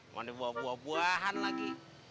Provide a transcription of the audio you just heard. mandi buah buahan lagi